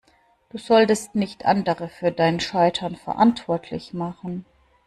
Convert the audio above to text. Du solltest nicht andere für dein Scheitern verantwortlich machen.